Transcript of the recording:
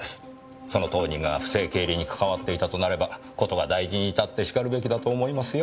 その当人が不正経理に関わっていたとなれば事が大事に至ってしかるべきだと思いますよ。